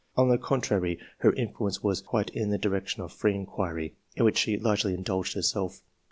On the contrary, her influence was quite in the direction of free inquiry, in which she largely indulged herself.